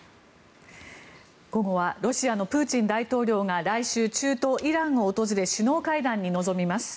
午後はロシアのプーチン大統領が来週、中東イランを訪れ首脳会談に臨みます。